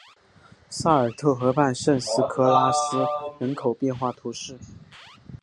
萨尔特河畔圣斯科拉斯人口变化图示